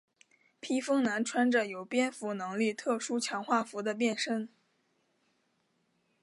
披风男穿着有蝙蝠能力特殊强化服的变身。